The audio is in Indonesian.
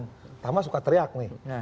pertama suka teriak nih